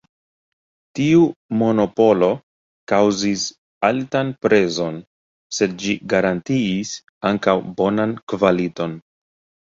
Tiu monopolo kaŭzis altan prezon, sed ĝi garantiis ankaŭ bonan kvaliton.